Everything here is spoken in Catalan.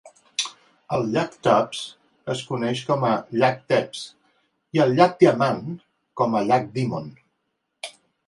El llac Tubbs es coneix com "Llac Tebbs" i el Llac Diamant com a "Llac Dimon".